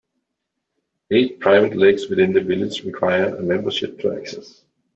Eight private lakes within the Village require a membership to access.